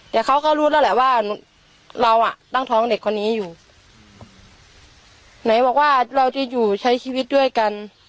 แต่เขาก็รู้แล้วแหละว่าเราอ่ะตั้งท้องเด็กคนนี้อยู่ไหนบอกว่าเราจะอยู่ใช้ชีวิตด้วยกัน